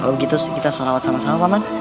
kalau begitu kita sholawat sama sama pak man